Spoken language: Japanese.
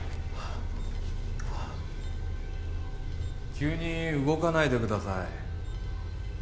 急に動かないでください。